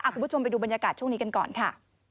คุณผู้ชมไปดูบรรยากาศช่วงนี้กันก่อนค่ะ